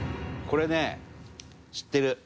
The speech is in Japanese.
これね知ってる。